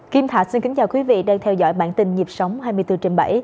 kim thạch xin kính chào quý vị đang theo dõi bản tin nhịp sống hai mươi bốn trên bảy